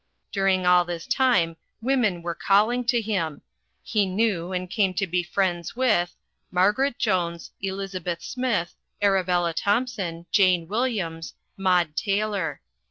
During all this time women were calling to him. He knew and came to be friends with Margaret Jones, Elizabeth Smith, Arabella Thompson, Jane Williams, Maud Taylor.